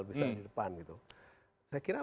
bisa di depan gitu saya kira